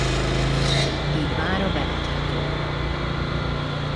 Így mára bevethető.